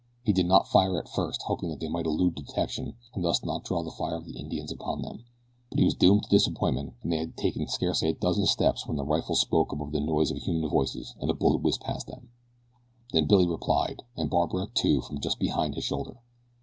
He did not fire at first hoping that they might elude detection and thus not draw the fire of the Indians upon them; but he was doomed to disappointment, and they had taken scarcely a dozen steps when a rifle spoke above the noise of human voices and a bullet whizzed past them. Then Billy replied, and Barbara, too, from just behind his shoulder.